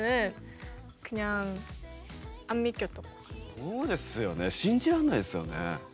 そうですよね信じらんないですよね。